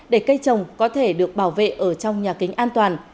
để cây trồng có thể được bảo vệ ở trong nhà kính an toàn